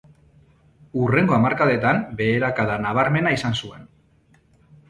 Hurrengo hamarkadetan beherakada nabarmena izan zuen.